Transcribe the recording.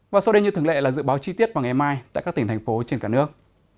và sau đây như thường lệ là dự báo chi tiết vào ngày mai tại các tỉnh thành phố trên cả nước